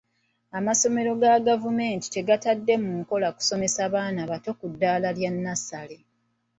Amasomero ga gavumenti tegatadde mu nkola kusomesa baana bato ku ddaala lya nnassale.